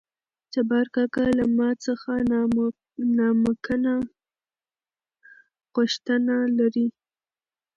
جبار کاکا له ما څخه نامکنه غوښتنه لري.